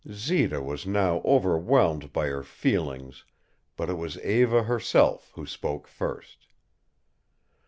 Zita was now overwhelmed by her feelings, but it was Eva herself who spoke first.